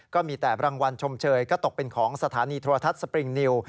ก็มีแต่รางวัลชมเชยก็ตกเป็นของสถานีโทรทัศน์สปริงนิว